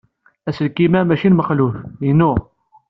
Aselkim-a maci n Mexluf. Inu.